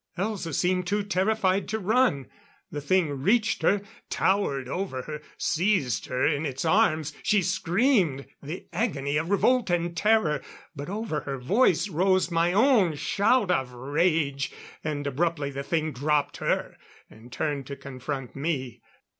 Elza seemed too terrified to run. The thing reached her, towered over her; seized her in its arms. She screamed the agony of revolt and terror; but over her voice rose my own shout of rage, and abruptly the thing dropped her and turned to confront me.